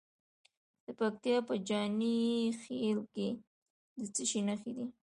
د پکتیکا په جاني خیل کې د څه شي نښې دي؟